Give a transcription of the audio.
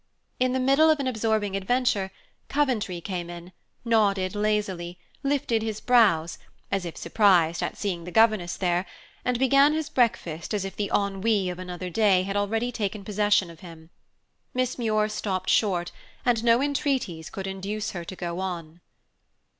In the middle of an absorbing adventure, Coventry came in, nodded lazily, lifted his brows, as if surprised at seeing the governess there, and began his breakfast as if the ennui of another day had already taken possession of him. Miss Muir stopped short, and no entreaties could induce her to go on.